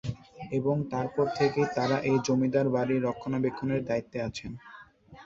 এবং তারপর থেকেই তারা এই জমিদার বাড়ির রক্ষণাবেক্ষণের দায়িত্বে আছেন।